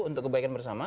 untuk kebaikan bersama